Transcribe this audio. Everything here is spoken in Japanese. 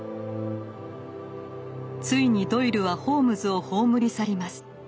ついにドイルはホームズを葬り去ります。